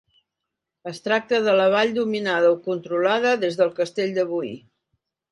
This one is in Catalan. Es tracta de la vall dominada, o controlada, des del castell de Boí.